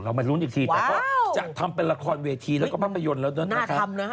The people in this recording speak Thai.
มาลุ้นอีกทีแต่ก็จะทำเป็นละครเวทีแล้วก็ภาพยนตร์แล้วนั้นนะครับ